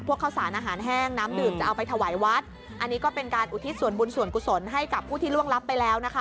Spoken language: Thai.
ข้าวสารอาหารแห้งน้ำดื่มจะเอาไปถวายวัดอันนี้ก็เป็นการอุทิศส่วนบุญส่วนกุศลให้กับผู้ที่ล่วงรับไปแล้วนะคะ